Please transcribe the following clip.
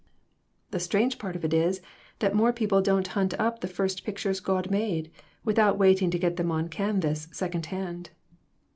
"The strange part of it is that more people don't hunt up the first pictures God made, with out waiting to get them on canvas, second hand."